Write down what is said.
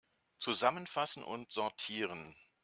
Zusammenfassen und sortieren!